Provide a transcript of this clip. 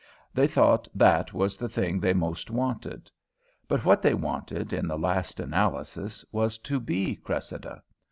They thought that was the thing they most wanted. But what they wanted, in the last analysis, was to be Cressida.